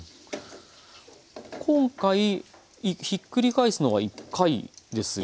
今回ひっくり返すのは１回ですよね？